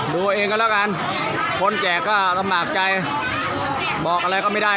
ดูเองก็แล้วกันคนแก่ก็ลำบากใจบอกอะไรก็ไม่ได้